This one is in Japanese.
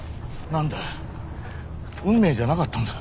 何だ運命じゃなかったんだ。